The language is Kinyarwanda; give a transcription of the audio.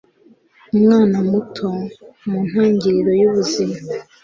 umwana muto, mu ntangiriro y'ubuzima